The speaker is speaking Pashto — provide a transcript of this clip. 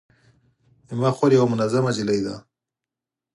زما خور یوه منظمه نجلۍ ده